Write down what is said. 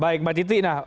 baik mbak citi